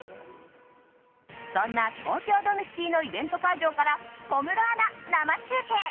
そんな東京ドームシティのイベント会場から小室アナ、生中継。